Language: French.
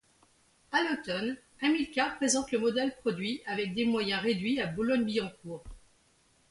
À l'automne, Amilcar présente le modèle produit avec des moyens réduits à Boulogne-Billancourt.